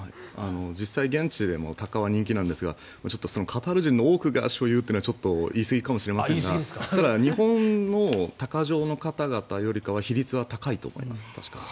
実際、現地でもタカは人気なんですがカタール人の多くが所有というのは言いすぎかもしれませんがただ、日本の鷹匠の方々よりかは比率は高いと思います。